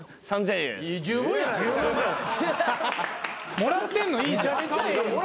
・もらってんのいいじゃん。